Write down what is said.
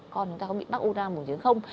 con chúng ta có bị bắt u năng bùng trứng không